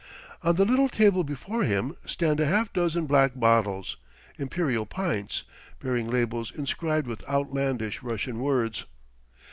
On the little table before him stand a half dozen black bottles, imperial pints, bearing labels inscribed with outlandish Russian words.